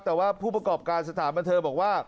แต่ว่าผู้ประกอบการสถานบันเทิงบอกว่า